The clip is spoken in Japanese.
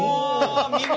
見事！